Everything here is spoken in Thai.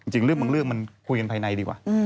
จริงเรื่องมันพูดกันภายในดีกว่า